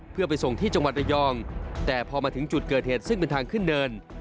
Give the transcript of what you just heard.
เพื่อไปส่งที่จังหวัดระยองแต่พอมาถึงจุดเกิดเหตุซึ่งเป็นทางขึ้นเนิน